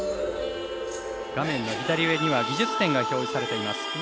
画面左上には技術点が表示されています。